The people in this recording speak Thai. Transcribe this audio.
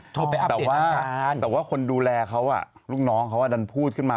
แต่ว่าแต่ว่าคนดูแลเขาลูกน้องเขาดันพูดขึ้นมา